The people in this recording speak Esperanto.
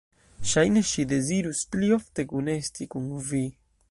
Ŝajne ŝi dezirus pli ofte kunesti kun Vi!